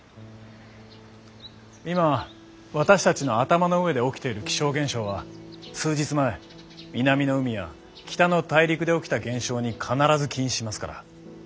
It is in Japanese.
今私たちの頭の上で起きている気象現象は数日前南の海や北の大陸で起きた現象に必ず起因しますから。